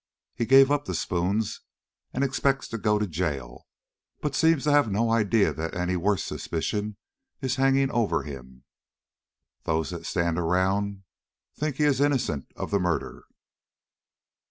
He gave up the spoons and expects to go to jail, but seems to have no idea that any worse suspicion is hanging over him. Those that stand around think he is innocent of the murder."